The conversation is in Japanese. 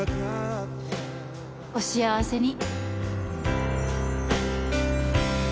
お幸せに。